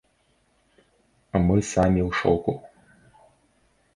Мы самі ў шоку!